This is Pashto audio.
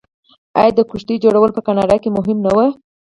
آیا د کښتیو جوړول په کاناډا کې مهم نه و؟